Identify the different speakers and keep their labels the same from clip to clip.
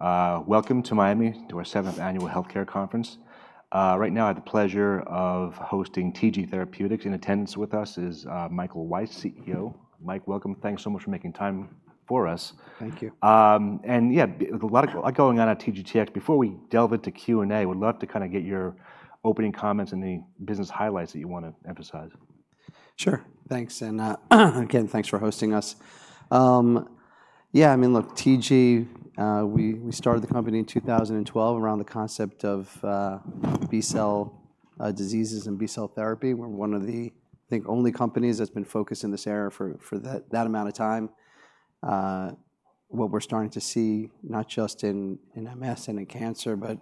Speaker 1: Welcome to Miami, to our seventh annual healthcare conference. Right now, I have the pleasure of hosting TG Therapeutics. In attendance with us is Michael Weiss, CEO. Mike, welcome. Thanks so much for making time for us.
Speaker 2: Thank you.
Speaker 1: Yeah, a lot going on at TGTX. Before we delve into Q&A, we'd love to kind of get your opening comments and the business highlights that you want to emphasize.
Speaker 2: Sure. Thanks. And again, thanks for hosting us. Yeah, I mean, look, TG, we started the company in 2012 around the concept of B-cell diseases and B-cell therapy. We're one of the, I think, only companies that's been focused in this area for that amount of time. What we're starting to see, not just in MS and in cancer, but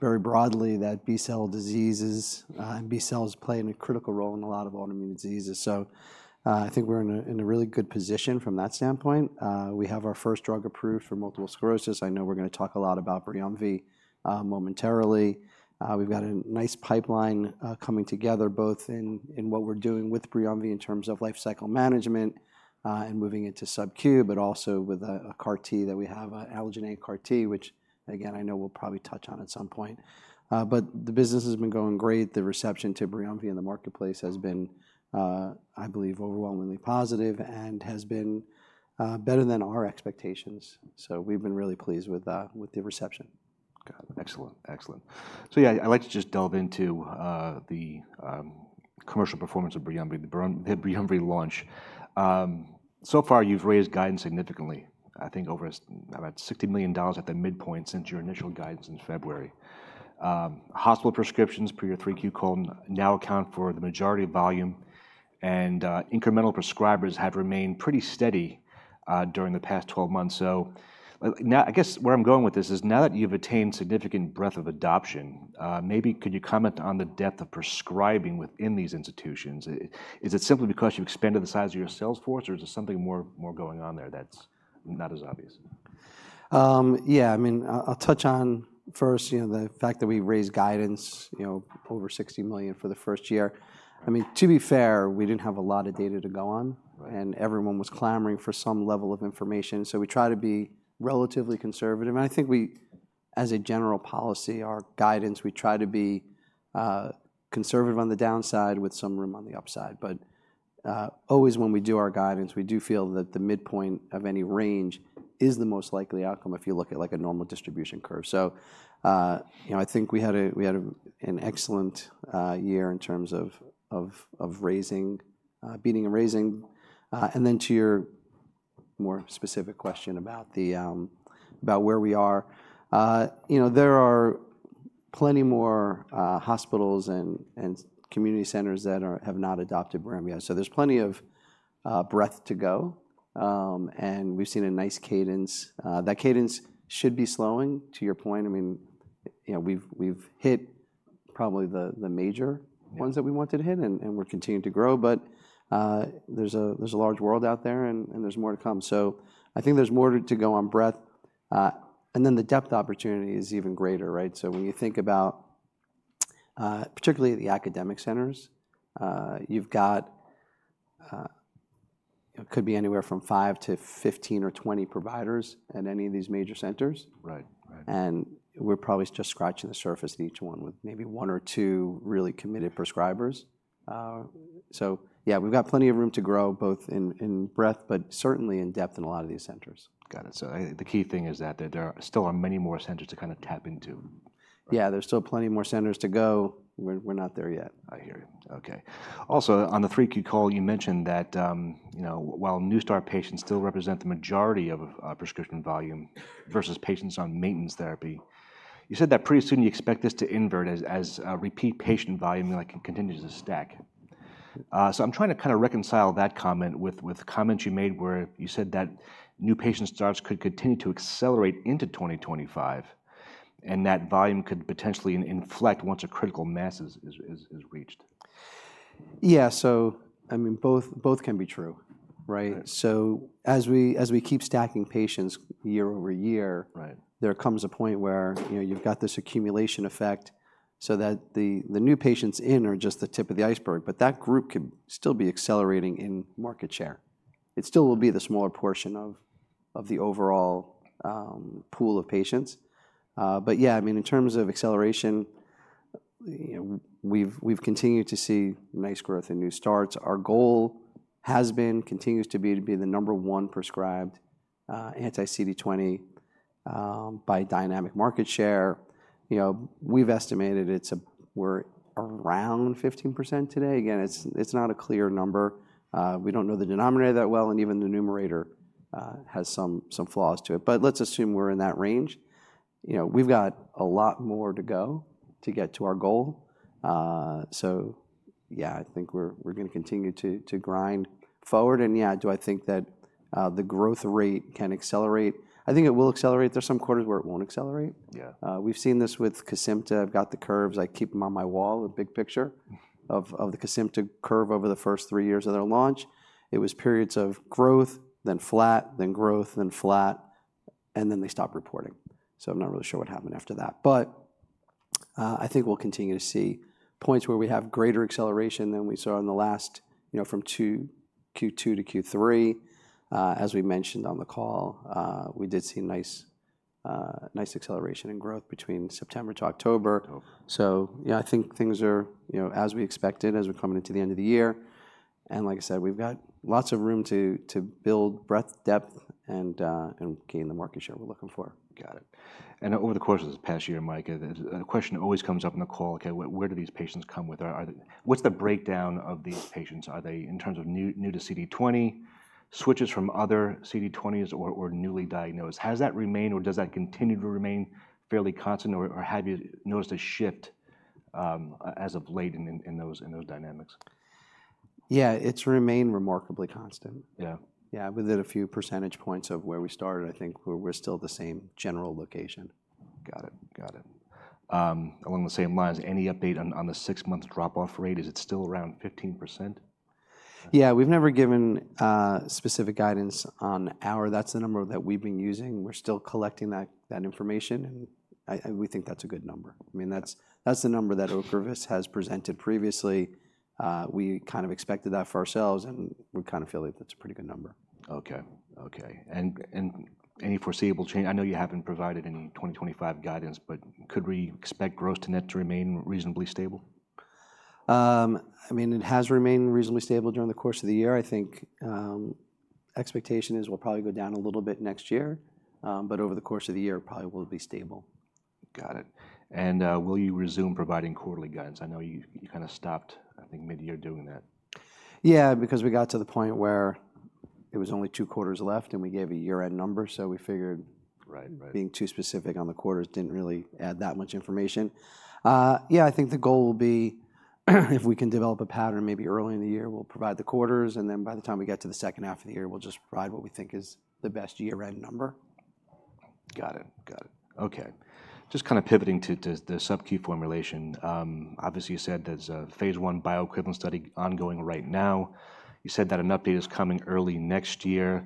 Speaker 2: very broadly, that B-cell diseases and B-cells play a critical role in a lot of autoimmune diseases. So I think we're in a really good position from that standpoint. We have our first drug approved for multiple sclerosis. I know we're going to talk a lot about BRIUMVI momentarily. We've got a nice pipeline coming together, both in what we're doing with BRIUMVI in terms of life cycle management and moving into SubQ, but also with a CAR-T that we have, allogeneic CAR-T, which, again, I know we'll probably touch on at some point. But the business has been going great. The reception to BRIUMVI in the marketplace has been, I believe, overwhelmingly positive and has been better than our expectations. So we've been really pleased with the reception.
Speaker 1: Got it. Excellent. Excellent. So yeah, I'd like to just delve into the commercial performance of BRIUMVI, the BRIUMVI launch. So far, you've raised guidance significantly, I think over about $60 million at the midpoint since your initial guidance in February. Hospital prescriptions per your 3Q call now account for the majority of volume, and incremental prescribers have remained pretty steady during the past 12 months. So now, I guess where I'm going with this is now that you've attained significant breadth of adoption, maybe could you comment on the depth of prescribing within these institutions? Is it simply because you've expanded the size of your sales force, or is there something more going on there that's not as obvious?
Speaker 2: Yeah, I mean, I'll touch on first, you know, the fact that we raised guidance, you know, over $60 million for the first year. I mean, to be fair, we didn't have a lot of data to go on, and everyone was clamoring for some level of information. So we try to be relatively conservative. And I think we, as a general policy, our guidance, we try to be conservative on the downside with some room on the upside. But always when we do our guidance, we do feel that the midpoint of any range is the most likely outcome if you look at like a normal distribution curve. So, you know, I think we had an excellent year in terms of raising, beating and raising. And then to your more specific question about where we are, you know, there are plenty more hospitals and community centers that have not adopted BRIUMVI. So there's plenty of breadth to go, and we've seen a nice cadence. That cadence should be slowing to your point. I mean, you know, we've hit probably the major ones that we wanted to hit, and we're continuing to grow. But there's a large world out there, and there's more to come. So I think there's more to go on breadth. And then the depth opportunity is even greater, right? So when you think about, particularly the academic centers, you've got, it could be anywhere from five to 15 or 20 providers at any of these major centers. And we're probably just scratching the surface at each one with maybe one or two really committed prescribers. So yeah, we've got plenty of room to grow both in breadth, but certainly in depth in a lot of these centers.
Speaker 1: Got it. So the key thing is that there still are many more centers to kind of tap into?
Speaker 2: Yeah, there's still plenty more centers to go. We're not there yet.
Speaker 1: I hear you. Okay. Also, on the 3Q call, you mentioned that, you know, while new start patients still represent the majority of prescription volume versus patients on maintenance therapy, you said that pretty soon you expect this to invert as repeat patient volume can continue to stack. So I'm trying to kind of reconcile that comment with comments you made where you said that new patient starts could continue to accelerate into 2025, and that volume could potentially inflect once a critical mass is reached.
Speaker 2: Yeah, so I mean, both can be true, right? So as we keep stacking patients year-over-year, there comes a point where, you know, you've got this accumulation effect so that the new patients in are just the tip of the iceberg, but that group could still be accelerating in market share. It still will be the smaller portion of the overall pool of patients. But yeah, I mean, in terms of acceleration, you know, we've continued to see nice growth in new starts. Our goal has been, continues to be, to be the number one prescribed anti-CD20 by dynamic market share. You know, we've estimated we're around 15% today. Again, it's not a clear number. We don't know the denominator that well, and even the numerator has some flaws to it. But let's assume we're in that range. You know, we've got a lot more to go to get to our goal. So yeah, I think we're going to continue to grind forward. And yeah, do I think that the growth rate can accelerate? I think it will accelerate. There's some quarters where it won't accelerate. We've seen this with KESIMPTA. I've got the curves. I keep them on my wall, the big picture of the KESIMPTA curve over the first three years of their launch. It was periods of growth, then flat, then growth, then flat, and then they stopped reporting. So I'm not really sure what happened after that. But I think we'll continue to see points where we have greater acceleration than we saw in the last, you know, from Q2 to Q3. As we mentioned on the call, we did see nice acceleration in growth between September to October. So yeah, I think things are, you know, as we expected, as we're coming into the end of the year. And like I said, we've got lots of room to build breadth, depth, and gain the market share we're looking for.
Speaker 1: Got it. And over the course of this past year, Mike, a question always comes up in the call, okay, where do these patients come from? What's the breakdown of these patients? Are they in terms of new to CD20, switches from other CD20s, or newly diagnosed? Has that remained or does that continue to remain fairly constant, or have you noticed a shift as of late in those dynamics?
Speaker 2: Yeah, it's remained remarkably constant.
Speaker 1: Yeah.
Speaker 2: Yeah, within a few percentage points of where we started, I think we're still the same general location.
Speaker 1: Got it. Got it. Along the same lines, any update on the six-month drop-off rate? Is it still around 15%?
Speaker 2: Yeah, we've never given specific guidance on our, that's the number that we've been using. We're still collecting that information, and we think that's a good number. I mean, that's the number that OCREVUS has presented previously. We kind of expected that for ourselves, and we kind of feel like that's a pretty good number.
Speaker 1: Okay. Okay. And any foreseeable change? I know you haven't provided any 2025 guidance, but could we expect gross to net to remain reasonably stable?
Speaker 2: I mean, it has remained reasonably stable during the course of the year. I think expectation is we'll probably go down a little bit next year, but over the course of the year, it probably will be stable.
Speaker 1: Got it. And will you resume providing quarterly guidance? I know you kind of stopped, I think mid-year doing that.
Speaker 2: Yeah, because we got to the point where it was only two quarters left, and we gave a year-end number, so we figured being too specific on the quarters didn't really add that much information. Yeah, I think the goal will be if we can develop a pattern maybe early in the year, we'll provide the quarters, and then by the time we get to the second half of the year, we'll just provide what we think is the best year-end number.
Speaker 1: Got it. Got it. Okay. Just kind of pivoting to the SubQ formulation, obviously you said there's a phase I bioequivalence study ongoing right now. You said that an update is coming early next year.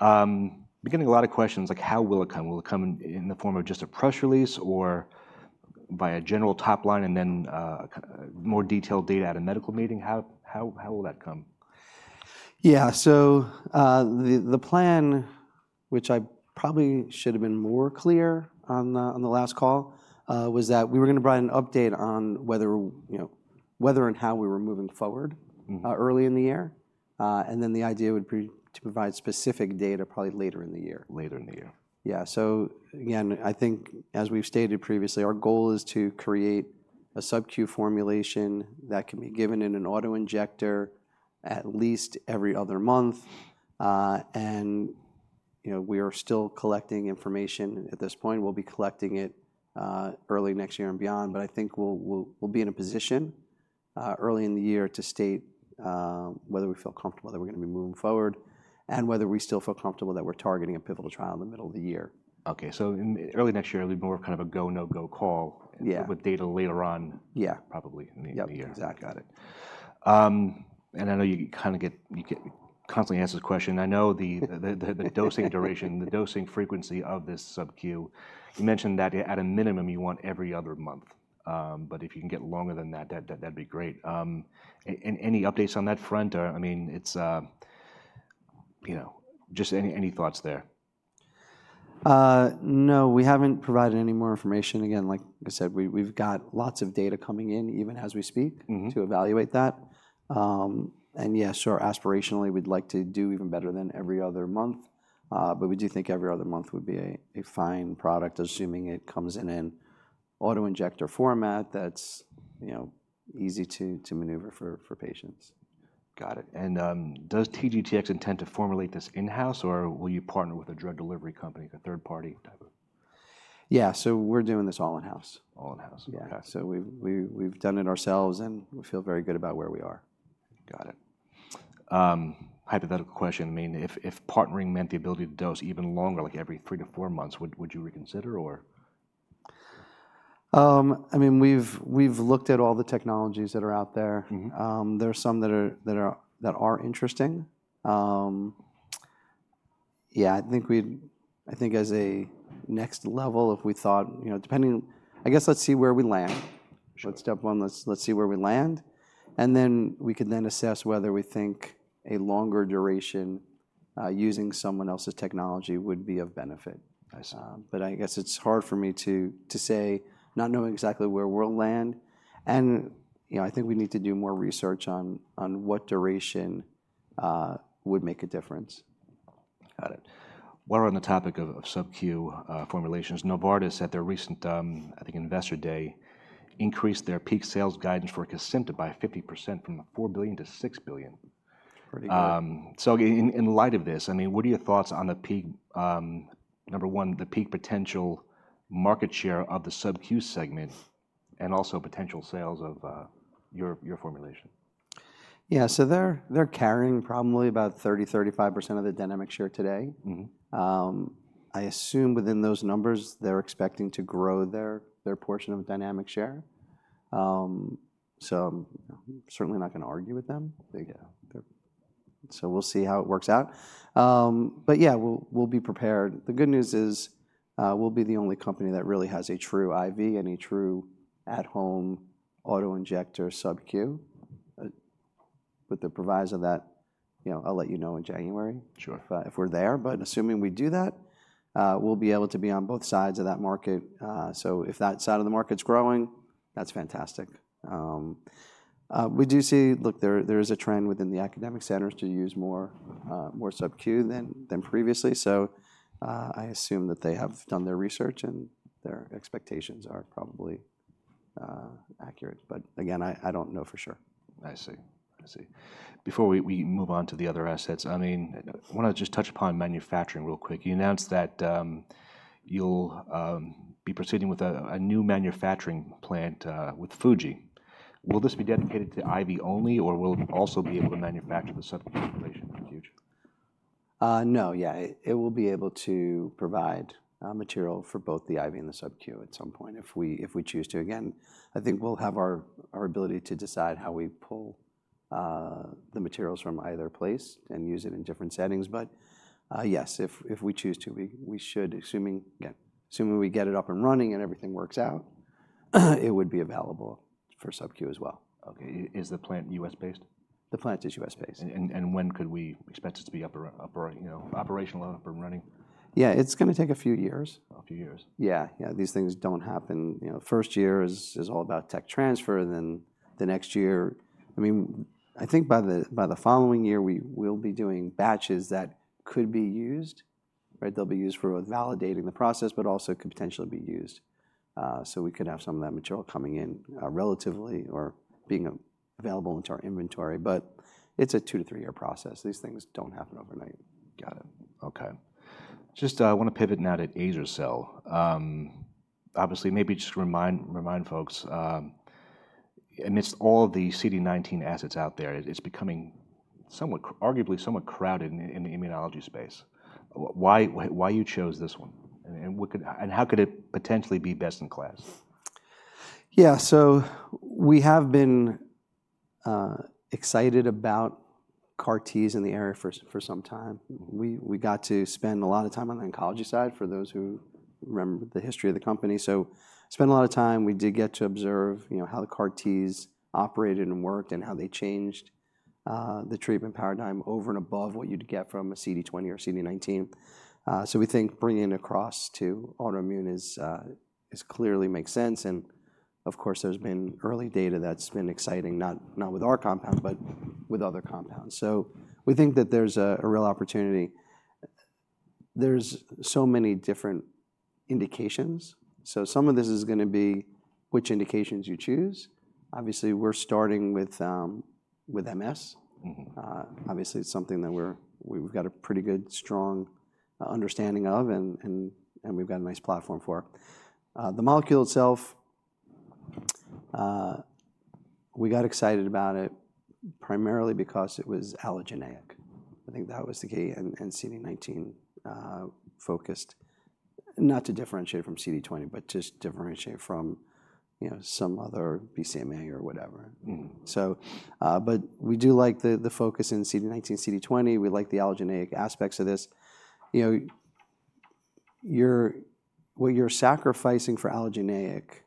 Speaker 1: Begging a lot of questions, like how will it come? Will it come in the form of just a press release or by a general top line and then more detailed data at a medical meeting? How will that come?
Speaker 2: Yeah, so the plan, which I probably should have been more clear on the last call, was that we were going to provide an update on whether and how we were moving forward early in the year. And then the idea would be to provide specific data probably later in the year.
Speaker 1: Later in the year.
Speaker 2: Yeah. So again, I think as we've stated previously, our goal is to create a SubQ formulation that can be given in an auto-injector at least every other month. And, you know, we are still collecting information at this point. We'll be collecting it early next year and beyond, but I think we'll be in a position early in the year to state whether we feel comfortable that we're going to be moving forward and whether we still feel comfortable that we're targeting a pivotal trial in the middle of the year.
Speaker 1: Okay, so early next year, it'll be more of kind of a go, no-go call with data later on, probably in the year.
Speaker 2: Yeah, exactly.
Speaker 1: Got it. And I know you kind of get constantly answered this question. I know the dosing duration, the dosing frequency of this SubQ, you mentioned that at a minimum you want every other month. But if you can get longer than that, that'd be great. And any updates on that front? I mean, it's, you know, just any thoughts there?
Speaker 2: No, we haven't provided any more information. Again, like I said, we've got lots of data coming in even as we speak to evaluate that. And yeah, sure, aspirationally, we'd like to do even better than every other month. But we do think every other month would be a fine product, assuming it comes in an auto-injector format that's, you know, easy to maneuver for patients.
Speaker 1: Got it. And does TGTX intend to formulate this in-house, or will you partner with a drug delivery company, a third-party type of?
Speaker 2: Yeah, so we're doing this all in-house.
Speaker 1: All in-house. Okay.
Speaker 2: Yeah. So we've done it ourselves, and we feel very good about where we are.
Speaker 1: Got it. Hypothetical question. I mean, if partnering meant the ability to dose even longer, like every three to four months, would you reconsider, or?
Speaker 2: I mean, we've looked at all the technologies that are out there. There are some that are interesting. Yeah, I think we'd, I think as a next level, if we thought, you know, depending, I guess let's see where we land. Let's step one, let's see where we land, and then we could then assess whether we think a longer duration using someone else's technology would be of benefit. But I guess it's hard for me to say, not knowing exactly where we'll land, and, you know, I think we need to do more research on what duration would make a difference.
Speaker 1: Got it. While we're on the topic of SubQ formulations, Novartis, at their recent, I think, investor day, increased their peak sales guidance for KESIMPTA by 50% from $4 billion to $6 billion.
Speaker 2: Pretty good.
Speaker 1: So in light of this, I mean, what are your thoughts on the peak, number one, the peak potential market share of the SubQ segment and also potential sales of your formulation?
Speaker 2: Yeah, so they're carrying probably about 30%, 35% of the dynamic share today. I assume within those numbers, they're expecting to grow their portion of dynamic share. So I'm certainly not going to argue with them. So we'll see how it works out. But yeah, we'll be prepared. The good news is we'll be the only company that really has a true IV and a true at-home auto-injector SubQ. With the proviso that, you know, I'll let you know in January if we're there. But assuming we do that, we'll be able to be on both sides of that market. So if that side of the market's growing, that's fantastic. We do see, look, there is a trend within the academic centers to use more SubQ than previously. So I assume that they have done their research and their expectations are probably accurate. But again, I don't know for sure.
Speaker 1: I see. I see. Before we move on to the other assets, I mean, I want to just touch upon manufacturing real quick. You announced that you'll be proceeding with a new manufacturing plant with Fuji. Will this be dedicated to IV only, or will it also be able to manufacture the SubQ formulation in the future?
Speaker 2: No. Yeah, it will be able to provide material for both the IV and the SubQ at some point if we choose to. Again, I think we'll have our ability to decide how we pull the materials from either place and use it in different settings. But yes, if we choose to, we should, assuming, again, we get it up and running and everything works out, it would be available for SubQ as well.
Speaker 1: Okay. Is the plant U.S.-based?
Speaker 2: The plant is U.S.-based.
Speaker 1: When could we expect it to be operational and up and running?
Speaker 2: Yeah, it's going to take a few years.
Speaker 1: A few years.
Speaker 2: Yeah. Yeah. These things don't happen. You know, first year is all about tech transfer, then the next year, I mean, I think by the following year, we will be doing batches that could be used, right? They'll be used for validating the process, but also could potentially be used. So we could have some of that material coming in relatively or being available into our inventory. But it's a two to three-year process. These things don't happen overnight.
Speaker 1: Got it. Okay. Just want to pivot now to azer-cel. Obviously, maybe just remind folks, amidst all of the CD19 assets out there, it's becoming arguably somewhat crowded in the immunology space. Why you chose this one and how could it potentially be best in class?
Speaker 2: Yeah, so we have been excited about CAR-Ts in the area for some time. We got to spend a lot of time on the oncology side for those who remember the history of the company. So spent a lot of time. We did get to observe, you know, how the CAR-Ts operated and worked and how they changed the treatment paradigm over and above what you'd get from a CD20 or a CD19. So we think bringing it across to autoimmune clearly makes sense. And of course, there's been early data that's been exciting, not with our compound, but with other compounds. So we think that there's a real opportunity. There's so many different indications. So some of this is going to be which indications you choose. Obviously, we're starting with MS. Obviously, it's something that we've got a pretty good, strong understanding of, and we've got a nice platform for it. The molecule itself, we got excited about it primarily because it was allogeneic. I think that was the key and CD19 focused, not to differentiate from CD20, but to differentiate from, you know, some other BCMA or whatever. So, but we do like the focus in CD19, CD20. We like the allogeneic aspects of this. You know, what you're sacrificing for allogeneic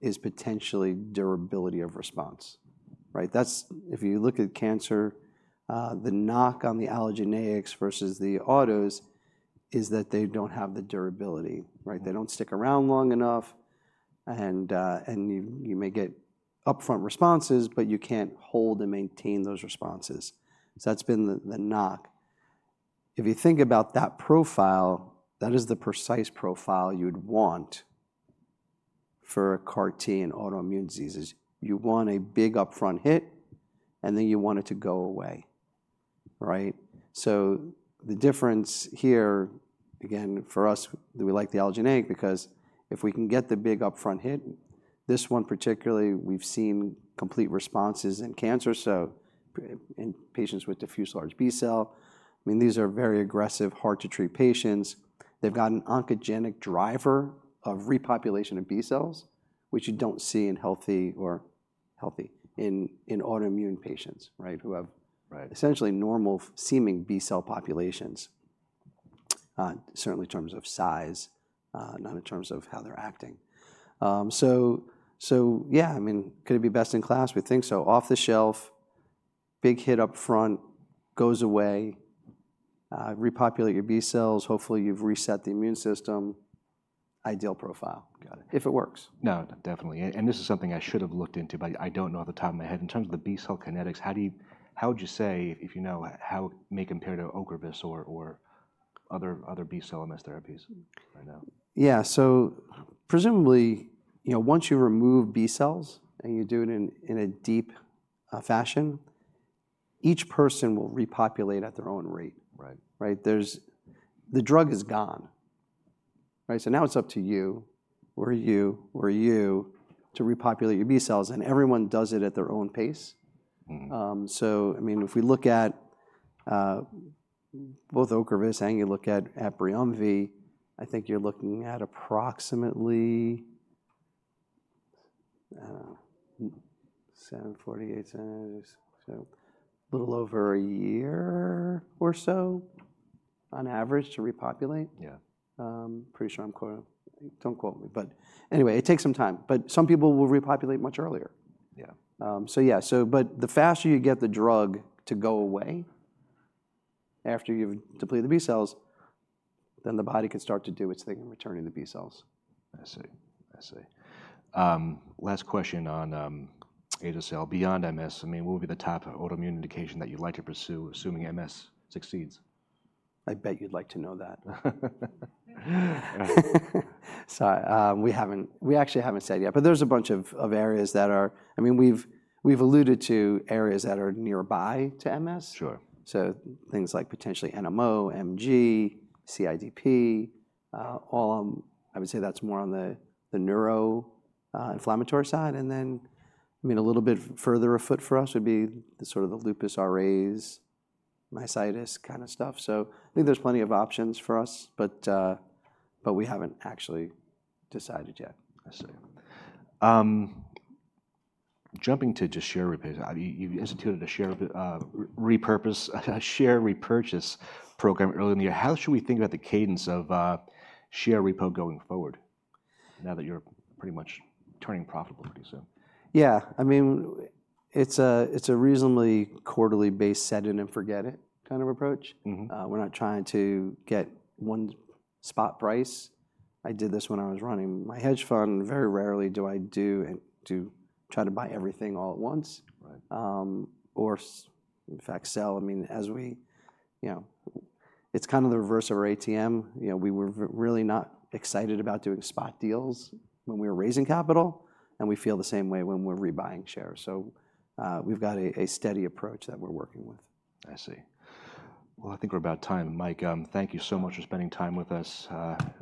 Speaker 2: is potentially durability of response, right? If you look at cancer, the knock on the allogeneics versus the autos is that they don't have the durability, right? They don't stick around long enough, and you may get upfront responses, but you can't hold and maintain those responses. So that's been the knock. If you think about that profile, that is the precise profile you'd want for a CAR-T in autoimmune diseases. You want a big upfront hit, and then you want it to go away, right? So the difference here, again, for us, we like the allogeneic because if we can get the big upfront hit, this one particularly, we've seen complete responses in cancer, so in patients with diffuse large B-cell. I mean, these are very aggressive, hard-to-treat patients. They've got an oncogenic driver of repopulation of B-cells, which you don't see in healthy or in autoimmune patients, right, who have essentially normal-seeming B-cell populations, certainly in terms of size, not in terms of how they're acting. So yeah, I mean, could it be best in class? We think so. Off the shelf, big hit upfront, goes away, repopulate your B-cells, hopefully you've reset the immune system, ideal profile.
Speaker 1: Got it.
Speaker 2: If it works.
Speaker 1: No, definitely, and this is something I should have looked into, but I don't know off the top of my head. In terms of the B-cell kinetics, how would you say, if you know, how may compare to OCREVUS or other B-cell MS therapies right now?
Speaker 2: Yeah. So presumably, you know, once you remove B-cells and you do it in a deep fashion, each person will repopulate at their own rate, right? The drug is gone, right? So now it's up to you, where are you, where are you to repopulate your B-cells? And everyone does it at their own pace. So I mean, if we look at both OCREVUS and you look at BRIUMVI, I think you're looking at approximately so a little over a year or so on average to repopulate.
Speaker 1: Yeah.
Speaker 2: Pretty sure I'm quoting, don't quote me, but anyway, it takes some time. But some people will repopulate much earlier.
Speaker 1: Yeah.
Speaker 2: So yeah, but the faster you get the drug to go away after you've depleted the B-cells, then the body can start to do its thing in returning the B-cells.
Speaker 1: I see. I see. Last question on azer-cel. Beyond MS, I mean, what would be the type of autoimmune indication that you'd like to pursue, assuming MS succeeds?
Speaker 2: I bet you'd like to know that. Sorry. We actually haven't said yet, but there's a bunch of areas that are, I mean, we've alluded to areas that are nearby to MS.
Speaker 1: Sure.
Speaker 2: So things like potentially NMO, MG, CIDP, all, I would say that's more on the neuroinflammatory side. And then, I mean, a little bit further afoot for us would be sort of the lupus, RAs, myositis kind of stuff. So I think there's plenty of options for us, but we haven't actually decided yet.
Speaker 1: I see. Jumping to share share repurchase program early in the year. How should we think about the cadence of share repo going forward now that you're pretty much turning profitable pretty soon?
Speaker 2: Yeah. I mean, it's a reasonably quarterly base set in and forget it kind of approach. We're not trying to get one spot price. I did this when I was running my hedge fund. Very rarely do I try to buy everything all at once or in fact sell. I mean, as we, you know, it's kind of the reverse of our ATM. You know, we were really not excited about doing spot deals when we were raising capital, and we feel the same way when we're rebuying shares. So we've got a steady approach that we're working with.
Speaker 1: I see. Well, I think we're about time. Mike, thank you so much for spending time with us.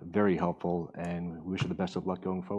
Speaker 1: Very helpful, and we wish you the best of luck going forward.